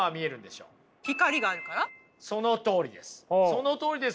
そのとおりです。